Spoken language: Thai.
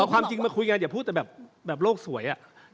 เอาความจริงมาคุยอย่างเดียวอย่าพูดแบบโลกสวยอะ